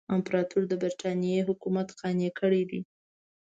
امپراطور د برټانیې حکومت قانع کړی دی.